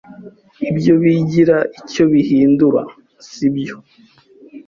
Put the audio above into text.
Ibyo bigira icyo bihindura, sibyo?